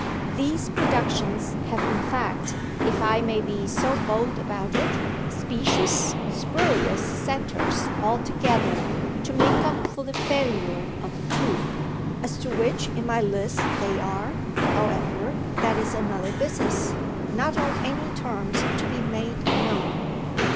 These productions have in fact, if I may be so bold about it, specious and spurious centres altogether, to make up for the failure of the true. As to which in my list they are, however, that is another business, not on any terms to be made known.